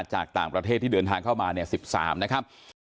จากต่างประเทศที่เดินทางเข้ามาเนี่ย๑๓นะครับ